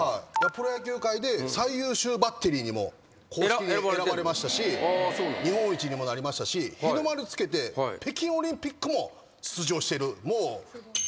プロ野球界で最優秀バッテリーにも公式に選ばれましたし日本一にもなりましたし日の丸つけて北京オリンピックも出場しているもう。